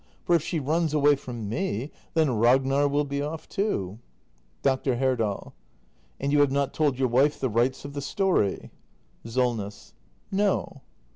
For if she runs away from me — then Ragnar will be off too. Dr. Herdal. And you have not told your wife the rights of the story ? Solness. No.